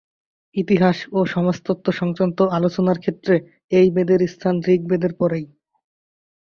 ইতিহাস ও সমাজতত্ত্ব-সংক্রান্ত আলোচনার ক্ষেত্রে এই বেদের স্থান ঋগ্বেদের পরেই।